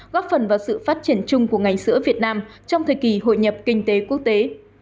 góp phần vào sự phát triển chung của ngành sữa việt nam trong thời kỳ hội nhập kinh tế quốc tế